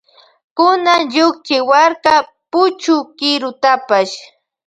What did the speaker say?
Kunan llukchiwarka puchu kirutapash.